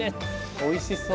おいしそう。